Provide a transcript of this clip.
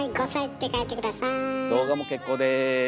動画も結構です。